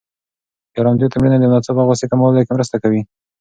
د ارامتیا تمرینونه د ناڅاپه غوسې کمولو کې مرسته کوي.